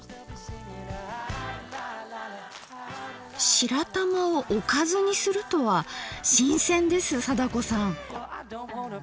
白玉をおかずにするとは新鮮です貞子さん。